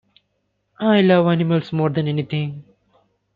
I love animals more than anything.